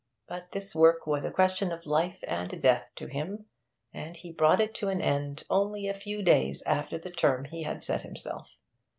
But this work was a question of life and death to him, and he brought it to an end only a few days after the term he had set himself.